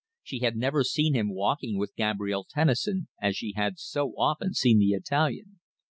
She had never seen him walking with Gabrielle Tennison, as she had so often seen the Italian.